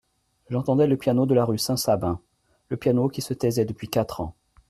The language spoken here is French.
J'entendais le piano de la rue Saint-Sabin, le piano qui se taisait depuis quatre ans.